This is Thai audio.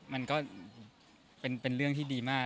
มันก็เป็นเรื่องที่ดีมาก